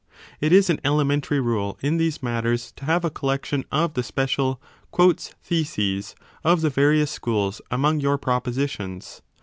It is an elemen tary rule in these matters to have a collection of the special * theses of the various schools among your propositions.